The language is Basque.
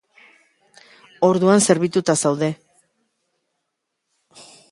Orduan zerbituta zaude.